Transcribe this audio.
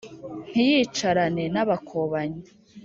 Ntiyicarane n’abakobanyi.